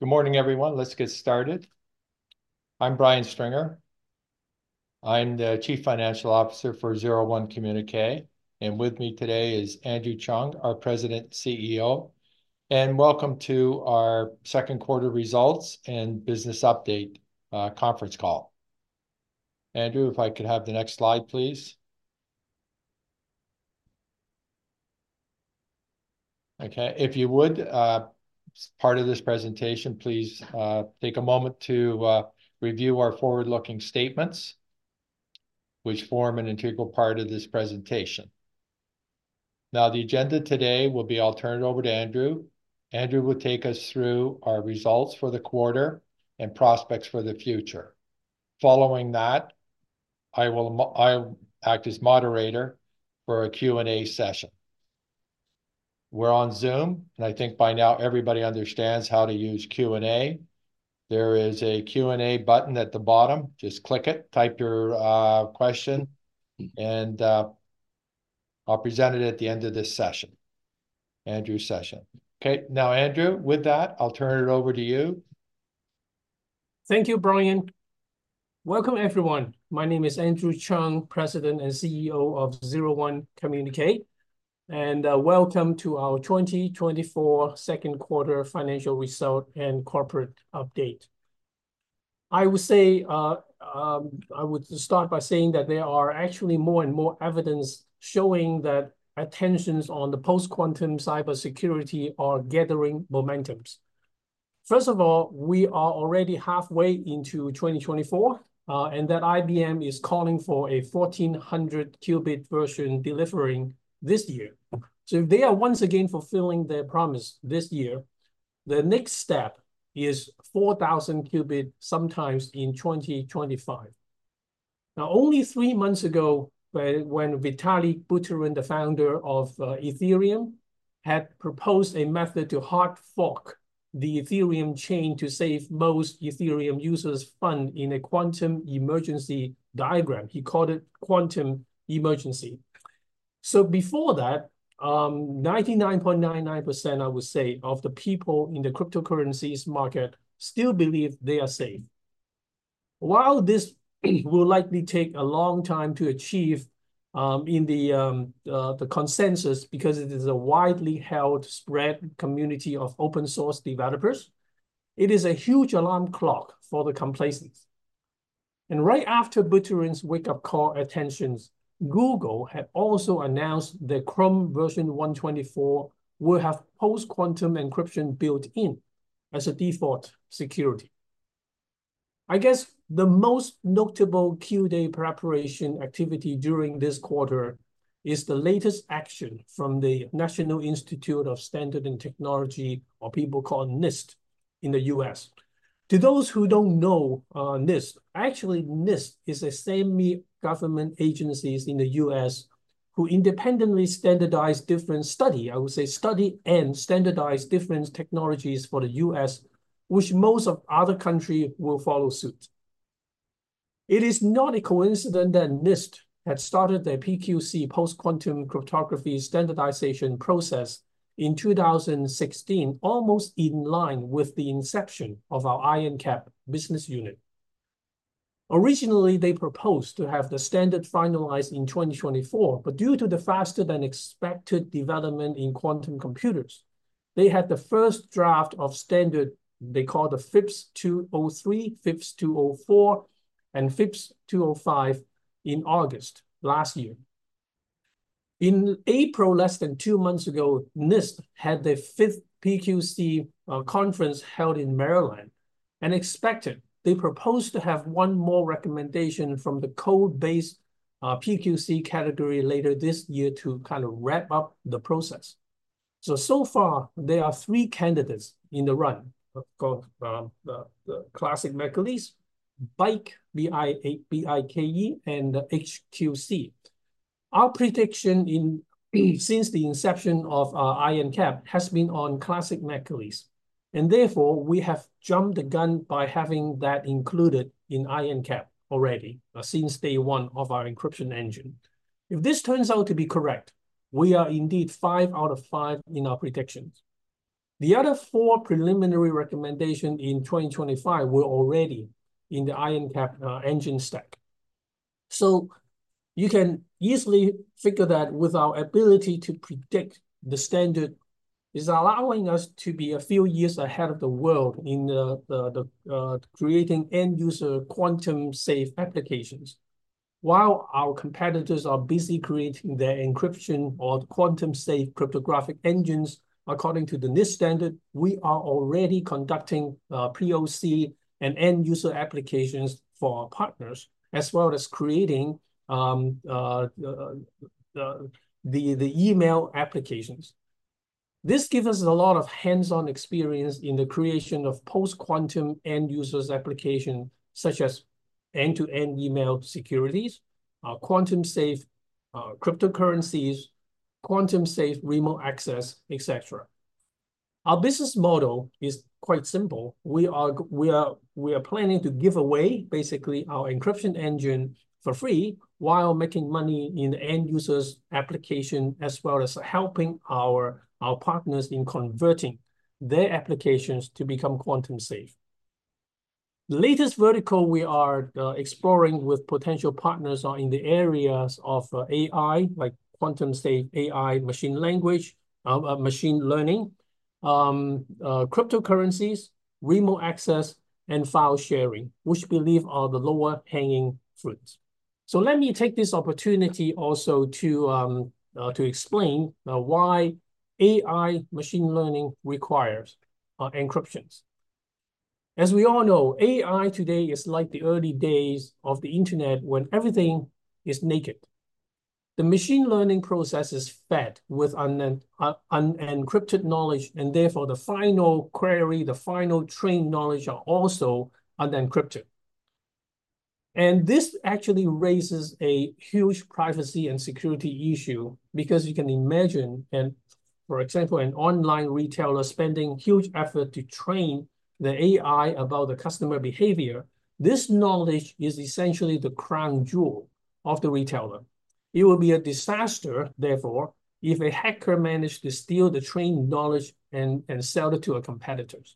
Good morning, everyone. Let's get started. I'm Brian Stringer. I'm the Chief Financial Officer for 01 Communique, and with me today is Andrew Cheung, our President and CEO, and welcome to our second quarter results and business update conference call. Andrew, if I could have the next slide, please. Okay, if you would as part of this presentation, please take a moment to review our forward-looking statements, which form an integral part of this presentation. Now, the agenda today will be, I'll turn it over to Andrew. Andrew will take us through our results for the quarter and prospects for the future. Following that, I'll act as moderator for a Q&A session. We're on Zoom, and I think by now everybody understands how to use Q&A. There is a Q&A button at the bottom, just click it, type your question, and I'll present it at the end of this session, Andrew's session. Okay, now, Andrew, with that, I'll turn it over to you. Thank you, Brian. Welcome, everyone. My name is Andrew Cheung, President and CEO of 01 Communique, and welcome to our 2024 second quarter financial result and corporate update. I would say I would start by saying that there are actually more and more evidence showing that attention on the post-quantum cybersecurity is gathering momentum. First of all, we are already halfway into 2024, and that IBM is calling for a 1,400 qubit version delivering this year. So they are once again fulfilling their promise this year. The next step is 4,000 qubit, sometime in 2025. Now, only three months ago, when Vitalik Buterin, the founder of Ethereum, had proposed a method to hard fork the Ethereum chain to save most Ethereum users' funds in a quantum emergency scenario. He called it quantum emergency. So before that, 99.99%, I would say, of the people in the cryptocurrencies market still believe they are safe. While this will likely take a long time to achieve, in the consensus, because it is a widely held, spread community of open source developers, it is a huge alarm clock for the complacent. And right after Buterin's wake-up call attention, Google had also announced their Chrome version 124 will have post-quantum encryption built in as a default security. I guess the most notable Q-day preparation activity during this quarter is the latest action from the National Institute of Standards and Technology, or people call NIST in the U.S. To those who don't know, NIST, actually, NIST is a semi-government agencies in the U.S. who independently standardize different study, I would say, study and standardize different technologies for the U.S., which most of other country will follow suit. It is not a coincidence that NIST had started their PQC, Post-Quantum Cryptography, standardization process in 2016, almost in line with the inception of our IronCAP business unit. Originally, they proposed to have the standard finalized in 2024, but due to the faster than expected development in quantum computers, they had the first draft of standard, they call the FIPS 203, FIPS 204, and FIPS 205 in August last year. In April, less than two months ago, NIST had the fifth PQC conference held in Maryland, and they proposed to have one more recommendation from the code-based PQC category later this year to kind of wrap up the process. So, so far, there are three candidates in the run, called the Classic McEliece, BIKE, B-I-K-E, and HQC. Our prediction since the inception of our IronCAP has been on Classic McEliece, and therefore, we have jumped the gun by having that included in IronCAP already, since day one of our encryption engine. If this turns out to be correct, we are indeed five out of five in our predictions. The other four preliminary recommendation in 2025 were already in the IronCAP engine stack. You can easily figure that with our ability to predict the standard is allowing us to be a few years ahead of the world in the creating end-user quantum-safe applications. While our competitors are busy creating their encryption or quantum-safe cryptographic engines, according to the NIST standard, we are already conducting POC and end-user applications for our partners, as well as creating the email applications. This gives us a lot of hands-on experience in the creation of post-quantum end-user applications, such as end-to-end email security, quantum-safe cryptocurrencies, quantum-safe remote access, etc. Our business model is quite simple. We are planning to give away basically our encryption engine for free while making money in the end users' application, as well as helping our partners in converting their applications to become quantum safe. The latest vertical we are exploring with potential partners are in the areas of AI, like quantum-safe AI, machine language, machine learning, cryptocurrencies, remote access, and file sharing, which we believe are the lower-hanging fruits. So let me take this opportunity also to explain why AI machine learning requires encryptions. As we all know, AI today is like the early days of the Internet, when everything is naked. The machine learning process is fed with unencrypted knowledge, and therefore, the final query, the final trained knowledge, are also unencrypted. This actually raises a huge privacy and security issue, because you can imagine, for example, an online retailer spending huge effort to train the AI about the customer behavior, this knowledge is essentially the crown jewel of the retailer. It will be a disaster, therefore, if a hacker managed to steal the trained knowledge and sell it to a competitors.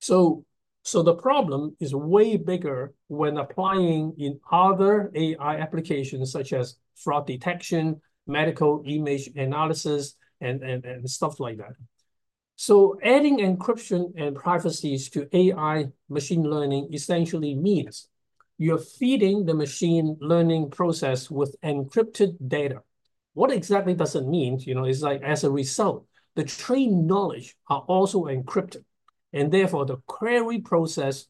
So the problem is way bigger when applying in other AI applications, such as fraud detection, medical image analysis, and stuff like that. So adding encryption and privacy to AI machine learning essentially means you're feeding the machine learning process with encrypted data. What exactly does it mean? You know, it's like, as a result, the trained knowledge are also encrypted, and therefore, the query process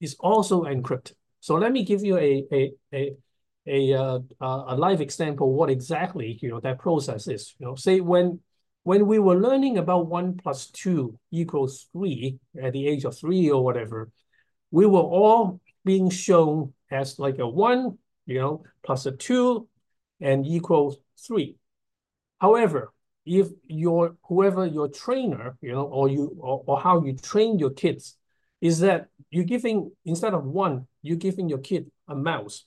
is also encrypted. So let me give you a live example what exactly, you know, that process is, you know? Say, when we were learning about 1 + 2 = 3, at the age of three or whatever, we were all being shown as, like, a one, you know, plus a two, and equals three. However, if your, whoever your trainer, you know, or you, or how you train your kids, is that you're giving, instead of one, you're giving your kid a mouse,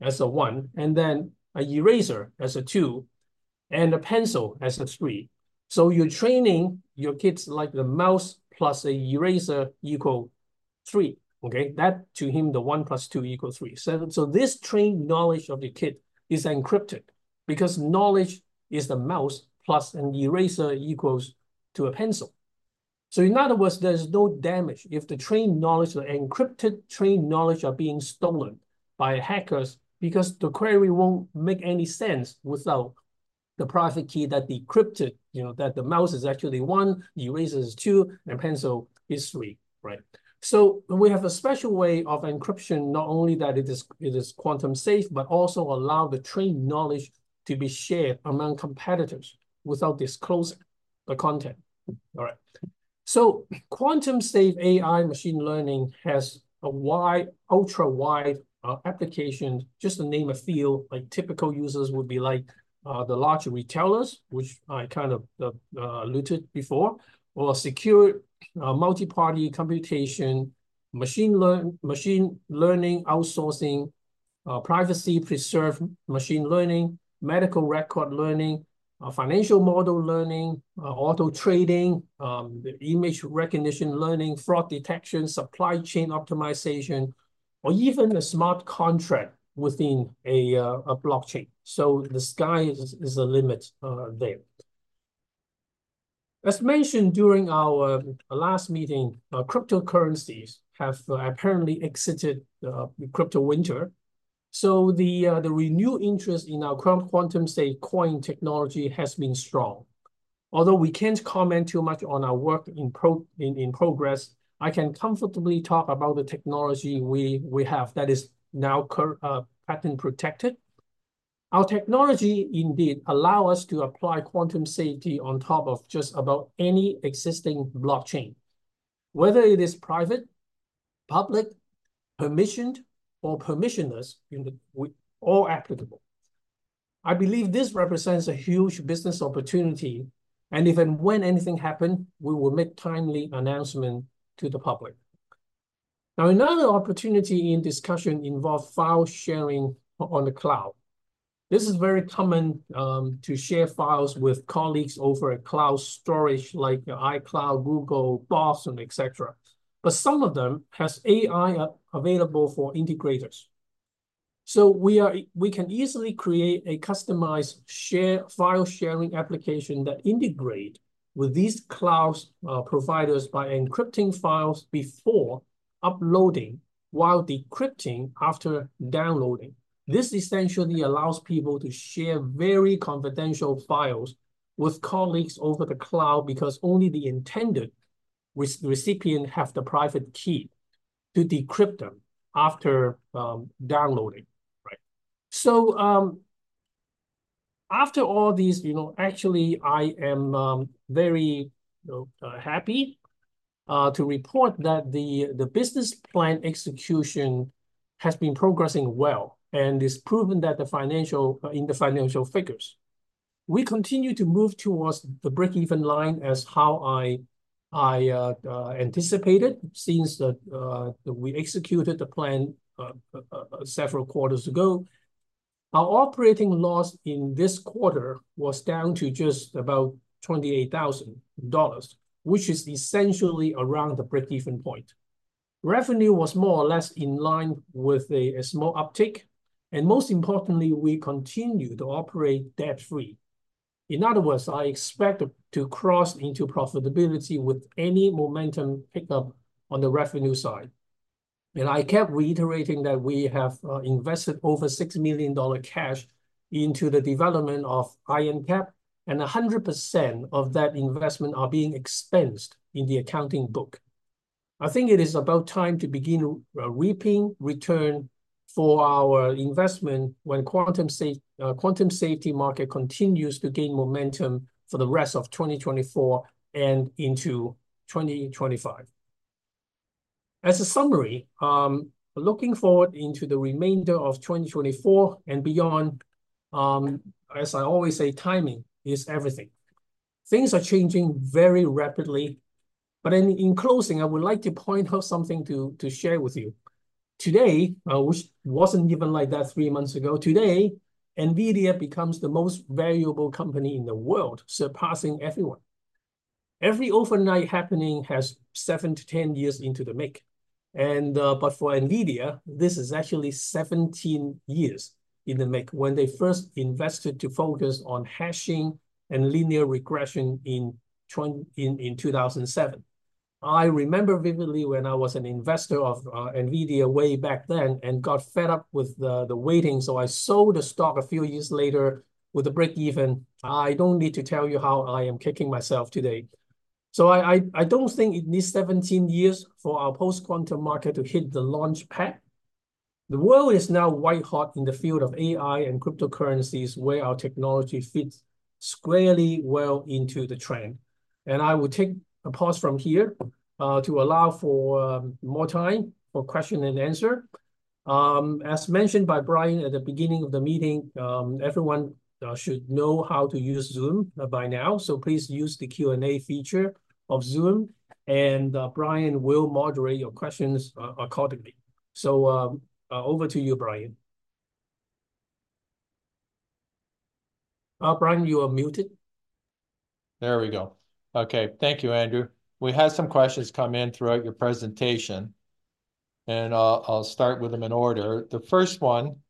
okay? That's a one, and then an eraser, that's a two, and a pencil, that's a three. So you're training your kids, like, a mouse plus an eraser equal three, okay? That, to him, the 1 + 2 = 3. So, so this trained knowledge of the kid is encrypted, because knowledge is the mouse plus an eraser equals to a pencil. So in other words, there's no damage if the trained knowledge, the encrypted trained knowledge, are being stolen by hackers, because the query won't make any sense without the private key that decrypted, you know, that the mouse is actually one, the eraser is two, and pencil is three, right? So we have a special way of encryption, not only that it is, it is quantum safe, but also allow the trained knowledge to be shared among competitors without disclosing the content. All right. So quantum safe AI machine learning has a wide, ultra wide, application. Just to name a few, like, typical users would be, like, the larger retailers, which I kind of alluded before, or secure multi-party computation, machine learning outsourcing, privacy-preserved machine learning, medical record learning, financial model learning, auto trading, image recognition learning, fraud detection, supply chain optimization, or even a smart contract within a blockchain. So the sky is the limit there. As mentioned during our last meeting, cryptocurrencies have apparently exited the crypto winter, so the renewed interest in our current quantum-safe coin technology has been strong. Although we can't comment too much on our work in progress, I can comfortably talk about the technology we have that is now patent-protected. Our technology indeed allow us to apply quantum safety on top of just about any existing blockchain. Whether it is private, public, permissioned, or permissionless, you know, all applicable. I believe this represents a huge business opportunity, and if and when anything happen, we will make timely announcement to the public. Now, another opportunity in discussion involve file sharing on the cloud. This is very common, to share files with colleagues over a cloud storage, like your iCloud, Google, Box, and et cetera. But some of them has AI available for integrators. So we can easily create a customized share, file-sharing application that integrate with these cloud providers by encrypting files before uploading, while decrypting after downloading. This essentially allows people to share very confidential files with colleagues over the cloud, because only the intended recipient have the private key to decrypt them after downloading. Right. So, after all these, you know, actually, I am very, you know, happy to report that the business plan execution has been progressing well, and it's proven that the financial in the financial figures. We continue to move towards the break-even line as how I anticipated, since we executed the plan several quarters ago. Our operating loss in this quarter was down to just about 28,000 dollars, which is essentially around the break-even point. Revenue was more or less in line with a small uptick, and most importantly, we continue to operate debt-free. In other words, I expect to cross into profitability with any momentum pick-up on the revenue side. I kept reiterating that we have invested over $6 million cash into the development of IronCAP, and 100% of that investment are being expensed in the accounting book. I think it is about time to begin reaping return for our investment when quantum safe quantum safety market continues to gain momentum for the rest of 2024 and into 2025. As a summary, looking forward into the remainder of 2024 and beyond, as I always say, timing is everything. Things are changing very rapidly, but in closing, I would like to point out something to share with you. Today, which wasn't even like that three months ago, today, NVIDIA becomes the most valuable company in the world, surpassing everyone. Every overnight happening has 7-10 years into the make, but for NVIDIA, this is actually 17 years in the make, when they first invested to focus on hashing and linear regression in 2007. I remember vividly when I was an investor of NVIDIA way back then, and got fed up with the waiting, so I sold the stock a few years later with a break-even. I don't need to tell you how I am kicking myself today. So I don't think it needs 17 years for our post-quantum market to hit the launch pad. The world is now white hot in the field of AI and cryptocurrencies, where our technology fits squarely well into the trend. And I will take a pause from here to allow for more time for question and answer. As mentioned by Brian at the beginning of the meeting, everyone should know how to use Zoom by now. So please use the Q&A feature of Zoom, and Brian will moderate your questions accordingly. Over to you, Brian. Brian, you are muted. There we go. Okay, thank you, Andrew. We had some questions come in throughout your presentation, and I'll start with them in order. The first one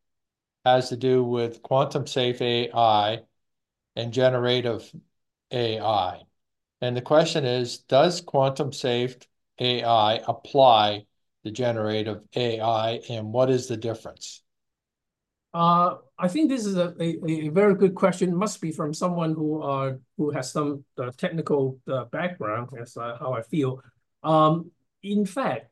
has to do with quantum-safe AI and generative AI. The question is: Does quantum-safe AI apply to generative AI, and what is the difference? I think this is a very good question. Must be from someone who has some technical background, that's how I feel. In fact,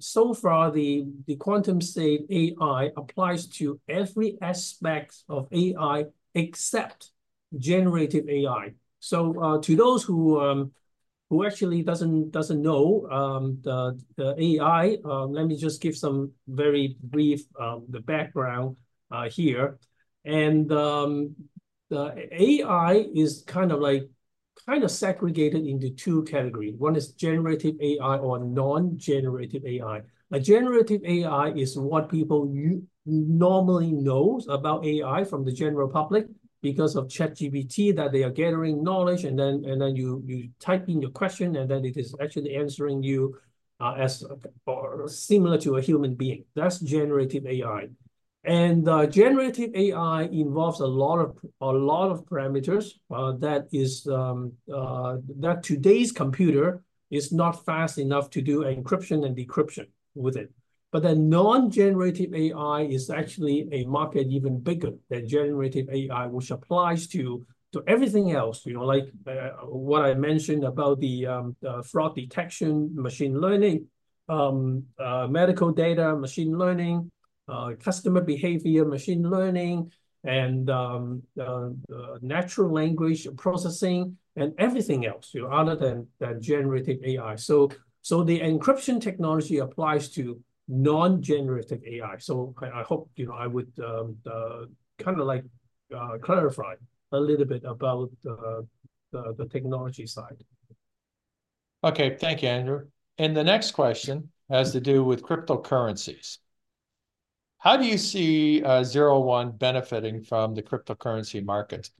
so far, the quantum-safe AI applies to every aspect of AI except generative AI. So, to those who actually doesn't know the AI, let me just give some very brief background here. And, the AI is kind of like segregated into two category. One is generative AI or non-generative AI. A generative AI is what people normally knows about AI from the general public because of ChatGPT, that they are gathering knowledge, and then you type in your question, and then it is actually answering you as or similar to a human being. That's generative AI. Generative AI involves a lot of, a lot of parameters, that is, that today's computer is not fast enough to do encryption and decryption with it. But then non-generative AI is actually a market even bigger than generative AI, which applies to, to everything else, you know, like, what I mentioned about the, the fraud detection, machine learning, medical data, machine learning, customer behavior, machine learning, and, natural language processing, and everything else, you know, other than the generative AI. So, so the encryption technology applies to non-generative AI. So I, I hope, you know, I would kind of like clarify a little bit about the, the, the technology side. Okay. Thank you, Andrew. The next question has to do with cryptocurrencies. How do you see 01 benefiting from the cryptocurrency market?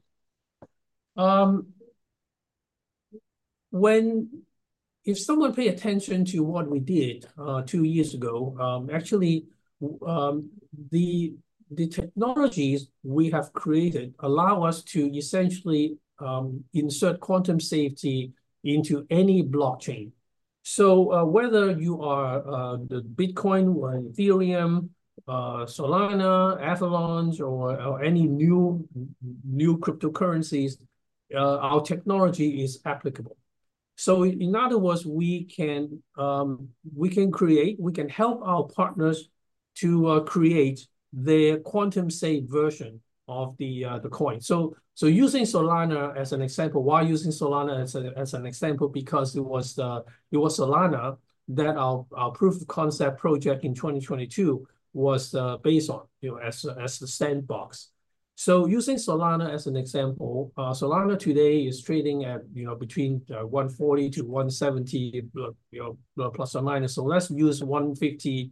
If someone pay attention to what we did two years ago, actually, the technologies we have created allow us to essentially insert quantum safety into any blockchain. So, whether you are the Bitcoin or Ethereum, Solana, Avalanche, or any new cryptocurrencies, our technology is applicable. So in other words, we can create, we can help our partners to create the quantum-safe version of the coin. So using Solana as an example, why using Solana as an example? Because it was Solana that our proof of concept project in 2022 was based on, you know, as a sandbox. So using Solana as an example, Solana today is trading at, you know, between $140-$170, you know, plus or minus, so let's use $150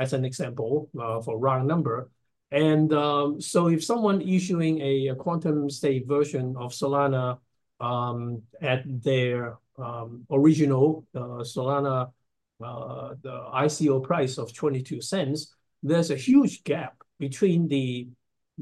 as an example for round number. So if someone issuing a quantum-safe, version of Solana at their original Solana the ICO price of $0.22, there's a huge gap between the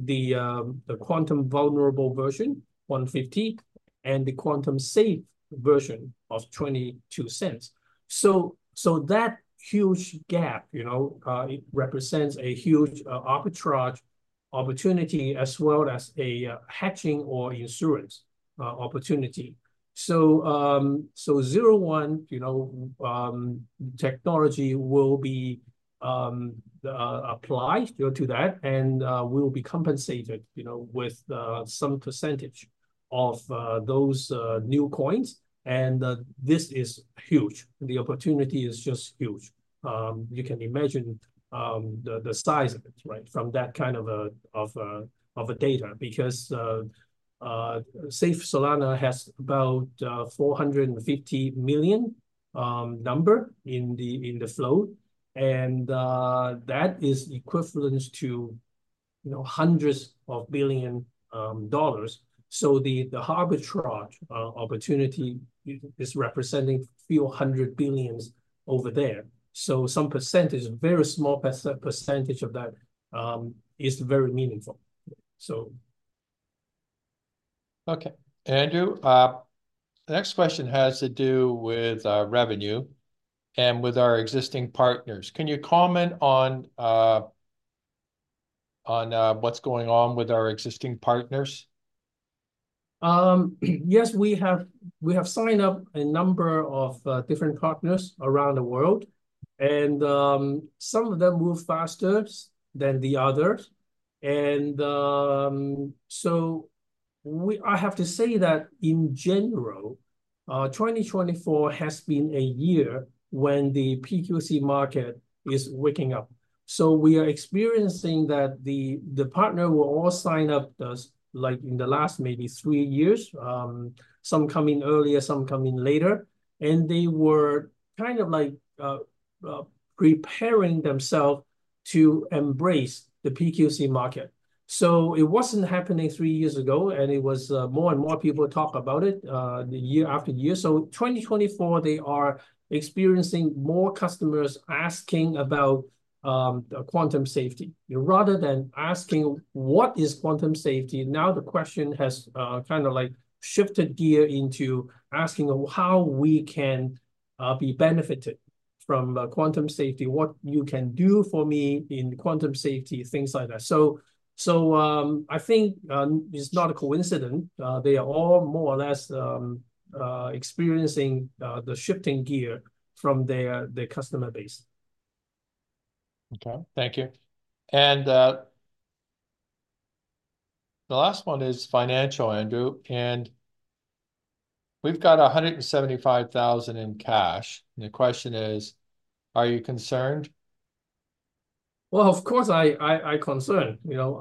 the quantum-vulnerable version $150 and the quantum-safe version of $0.22. So that huge gap, you know, it represents a huge arbitrage opportunity, as well as a hedging or insurance opportunity. So 01, you know, technology will be applied to that, and we will be compensated, you know, with some percentage of those new coins, and this is huge. The opportunity is just huge. You can imagine the size of it, right? From that kind of data, because safe Solana has about 450 million number in the float, and that is equivalent to, you know, hundreds of billions dollars. So the arbitrage opportunity is representing a few hundred billions over there. So some percentage, a very small percentage of that, is very meaningful. So- Okay. Andrew, the next question has to do with, what's going on with our existing partners? Can you comment on, what's going on with our existing partners? Yes, we have signed up a number of different partners around the world, and some of them move faster than the others. So I have to say that in general, 2024 has been a year when the PQC market is waking up. So we are experiencing that the partners will all sign up those, like, in the last maybe three years, some coming earlier, some coming later, and they were kind of like preparing themselves to embrace the PQC market. So it wasn't happening three years ago, and more and more people talk about it year after year. So 2024, they are experiencing more customers asking about quantum safety. Rather than asking, "what is quantum safety?" Now, the question has kind of like shifted gear into asking how we can be benefited from quantum safety? What you can do for me in quantum safety? Things like that. So, I think it's not a coincidence they are all more or less experiencing the shifting gear from their customer base. Okay, thank you. And, the last one is financial, Andrew, and we've got 175,000 in cash, and the question is: Are you concerned? Well, of course, I'm concerned, you know,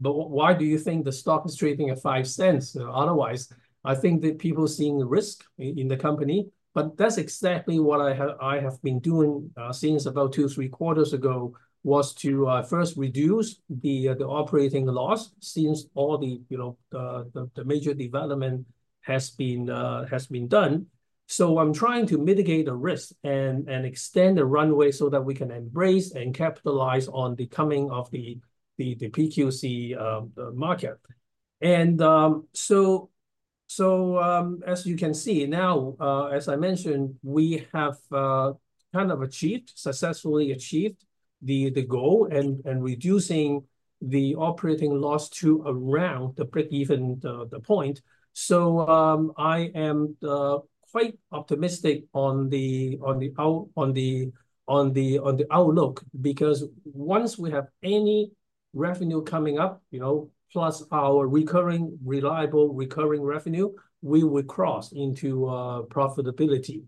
but why do you think the stock is trading at 0.05 otherwise? I think that people are seeing risk in the company, but that's exactly what I have been doing since about two, three quarters ago, was to first reduce the operating loss, since all the, you know, the major development has been done. So I'm trying to mitigate the risk and extend the runway so that we can embrace and capitalize on the coming of the PQC market. And so, as you can see now, as I mentioned, we have kind of successfully achieved the goal and reducing the operating loss to around the break-even point. So, I am quite optimistic on the outlook, because once we have any revenue coming up, you know, plus our recurring, reliable recurring revenue, we will cross into profitability.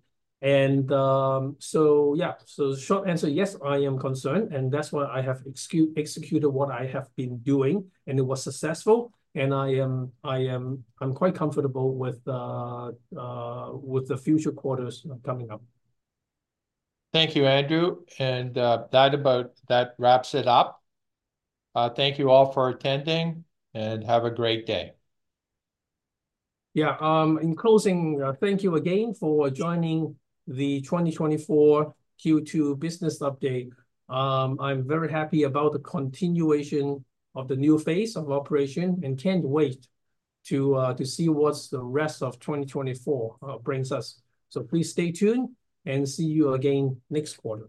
So yeah. So short answer, yes, I am concerned, and that's why I have executed what I have been doing, and it was successful, and I am, I'm quite comfortable with the future quarters coming up. Thank you, Andrew, and that about wraps it up. Thank you all for attending, and have a great day. Yeah, in closing, thank you again for joining the 2024 Q2 business update. I'm very happy about the continuation of the new phase of operation and can't wait to see what the rest of 2024 brings us. So please stay tuned, and see you again next quarter.